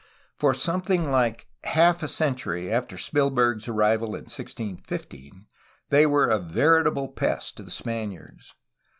^ For something like half a century after Spil berg's arrival in 1615 they were a veritable pest to the Spaniards.